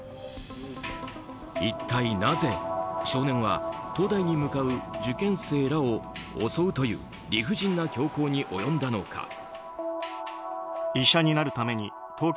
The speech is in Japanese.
一体なぜ、少年は東大に向かう受験生らを襲うという理不尽な凶行に及んだのか。